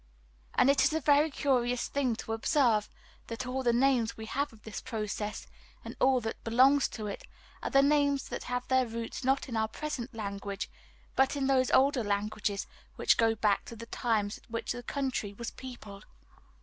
And it is a very curious thing to observe that all the names we have of this process, and all that belongs to it, are names that have their roots not in our present language, but in those older languages which go back to the times at which this country was peopled.